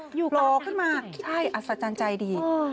โผล่ขึ้นมาใช่อัศจรรย์ใจดี